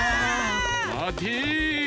まて！